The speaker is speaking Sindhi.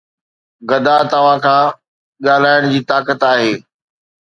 گدا توهان کان ڳالهائڻ جي طاقت آهي